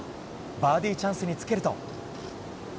バーディーチャンスにつけると。